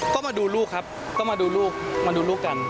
ก็มาดูลูกครับก็มาดูลูกกัน